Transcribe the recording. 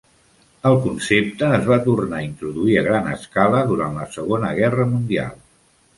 El concepte es va tornar a introduir a gran escala durant la Segona Guerra Mundial.